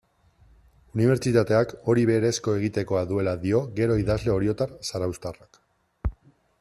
Unibertsitateak hori berezko egitekoa duela dio gero idazle oriotar zarauztartuak.